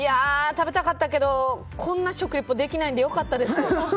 食べたかったけどこんな食リポできないので良かったです。